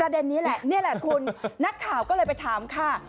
นี้แหละนี่แหละคุณนักข่าวก็เลยไปถามค่ะ